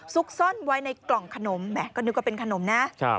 ซุกซ่อนไว้ในกล่องขนมแหมก็นึกว่าเป็นขนมนะ